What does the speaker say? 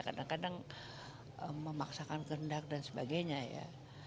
kadang kadang memaksakan kehendak dan sebagainya ya